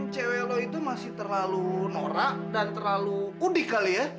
cewe lo itu masih terlalu norak dan terlalu kudikal ya